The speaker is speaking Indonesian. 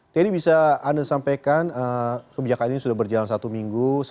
teddy bisa anda sampaikan kebijakan ini sudah berjalan satu minggu